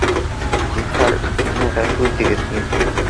— Зинһар мине ғәфү итегеҙ, мин